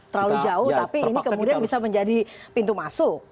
terlalu jauh tapi ini kemudian bisa menjadi pintu masuk